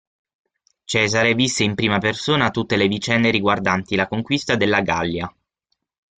Cesare visse in prima persona tutte le vicende riguardanti la conquista della Gallia.